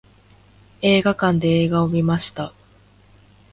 映画館で映画を観ました。